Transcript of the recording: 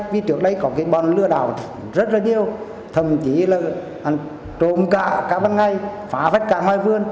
vì trước đây có cái bọn lừa đảo rất là nhiều thậm chí là trộm cả ban ngày phá vết cả ngoài vườn